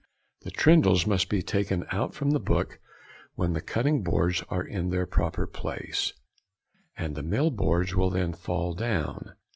The trindles must be taken out from the book when |64| the cutting boards are in their proper place, and the mill boards will then fall down.